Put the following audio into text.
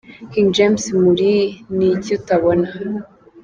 King James muri ’Ni iki utabona’